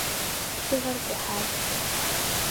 Дыгъэр къухьащ.